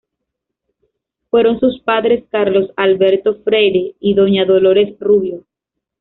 Fueron sus padres Carlos Alberto Freire y doña Dolores Rubio.